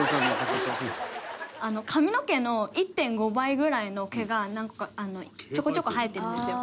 髪の毛の１．５倍ぐらいの毛が何個かちょこちょこ生えてるんですよ。